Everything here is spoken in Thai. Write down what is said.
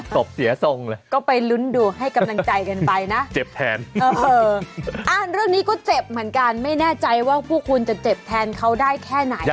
บเสียทรงเลยก็ไปลุ้นดูให้กำลังใจกันไปนะเจ็บแทนเรื่องนี้ก็เจ็บเหมือนกันไม่แน่ใจว่าพวกคุณจะเจ็บแทนเขาได้แค่ไหน